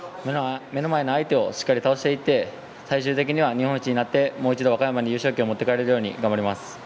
目の前の相手をしっかり倒していって最終的には日本一になってもう一度和歌山に優勝旗を持って帰れるように頑張ります。